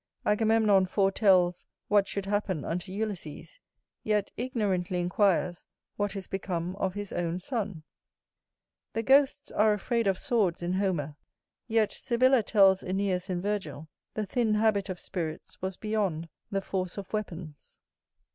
Agamemnon foretells what should happen unto Ulysses; yet ignorantly inquires what is become of his own son. The ghosts are afraid of swords in Homer; yet Sibylla tells Æneas in Virgil, the thin habit of spirits was beyond the force of weapons.